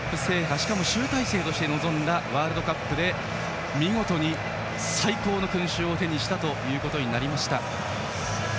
しかも集大成として臨んだワールドカップで見事に最高の勲章を手にしたということになりました。